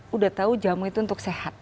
kita tau jamu itu untuk sehat